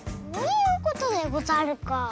そういうことでござるか。